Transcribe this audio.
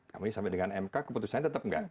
kami sampai dengan mk keputusannya tetap enggak